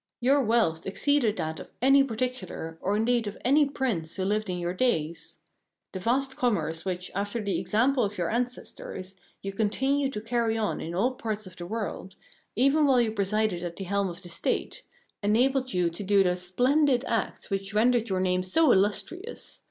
Your wealth exceeded that of any particular, or indeed of any prince who lived in your days. The vast commerce which, after the example of your ancestors, you continued to carry on in all parts of the world, even while you presided at the helm of the State, enabled you to do those splendid acts which rendered your name so illustrious.